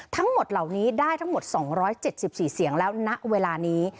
ทั้งหมดเหล่านี้ได้ทั้งหมด๒๗๔เสียงแล้วณเวลานี้